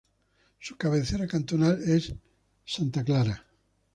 Su cabecera cantonal es l Santa Clara.